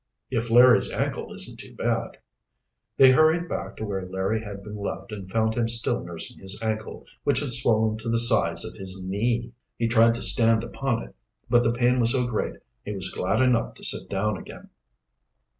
"If Larry's ankle isn't too bad." They hurried back to where Larry had been left, and found him still nursing his ankle, which had swollen to the size of his knee. He tried to stand upon it, but the pain was so great he was glad enough to sit down again.